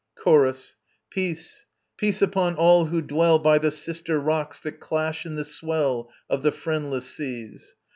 CHORUS. Peace! Peace upon all who dwell By the Sister Rocks that clash in the swell Of the Friendless Seas.